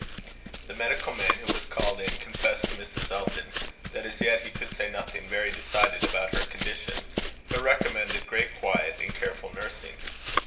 The medical man who was called in, confessed to Mrs. Elton, that as yet he could say nothing very decided about her condition, but recommended great quiet and careful nursing.